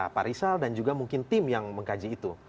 pak rizal dan juga mungkin tim yang mengkaji itu